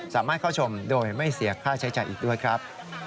สามารถเข้าชมโดยไม่เสียค่าใช้จ่ายอีกด้วยครับ